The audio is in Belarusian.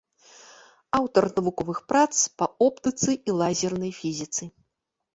Аўтар навуковых прац па оптыцы і лазернай фізіцы.